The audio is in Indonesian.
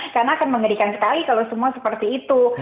karena akan mengerikan sekali kalau semua seperti itu